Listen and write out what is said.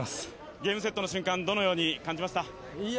ゲームセットの瞬間、どう感じましたか？